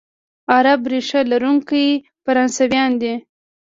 عرب ریشه لرونکي فرانسویان دي،